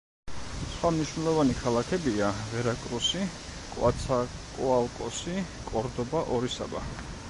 სხვა მნიშვნელოვანი ქალაქებია: ვერაკრუსი, კოაცაკოალკოსი, კორდობა, ორისაბა.